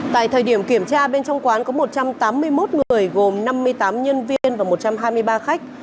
tại thời điểm kiểm tra bên trong quán có một trăm tám mươi một người gồm năm mươi tám nhân viên và một trăm hai mươi ba khách